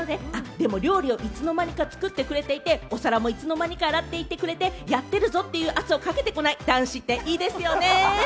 でも料理をいつの間にか作ってくれていて、お皿もいつの間にか洗ってくれて、やってるぞ！っていう圧をかけてこない男子っていいですよね。